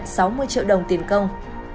sáu mươi triệu đồng tiền công